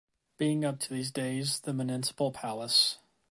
Being up to these days the Municipal Palace.